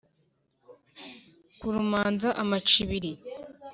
Kurumanza amacibiri